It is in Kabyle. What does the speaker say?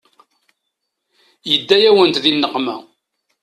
Yedda-yawent di nneqma.